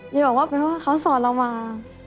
อย่าบอกว่าเป็นว่าเขาสอนเรามา